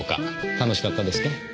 楽しかったですか？